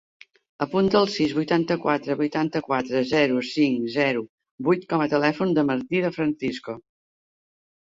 Apunta el sis, vuitanta-quatre, vuitanta-quatre, zero, cinc, zero, vuit com a telèfon del Martí De Francisco.